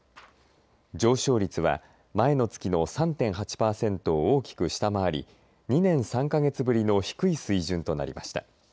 上昇率は前の月の３．８パーセントを大きく下回り２年３か月ぶりの低い水準となりました。